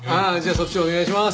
そっちお願いします。